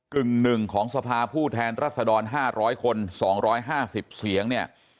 กึ่งหนึ่งของสภาพูดแทนรัศดร๕๐๐คนสองร้อยห้าสิบเสียงเนี่ย